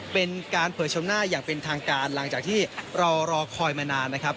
เป็นการเผยชมหน้าอย่างเป็นทางการหลังจากที่เรารอคอยมานานนะครับ